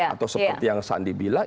atau seperti yang sandi bilang